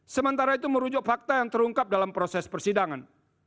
sementara itu merujuk fakta yang terungkap dalam proses persidangan